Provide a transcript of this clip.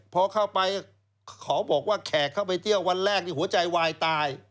พอเข้าไปเขาบอกว่าแขกเข้าไปเที่ยววันแรกนี่หัวใจวายตาย